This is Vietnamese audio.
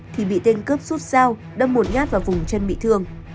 thì bị tên cướp rút dao đâm một ngát vào vùng chân bị thương